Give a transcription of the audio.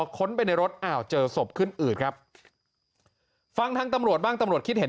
ค้นไปในรถอ้าวเจอศพขึ้นอืดครับฟังทางตำรวจบ้างตำรวจคิดเห็น